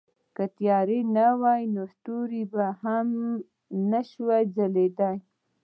که تیاره نه وي نو ستوري هم نه شي ځلېدلی.